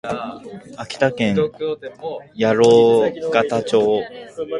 秋田県八郎潟町